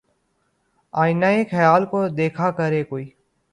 آئینۂ خیال کو دیکھا کرے کوئی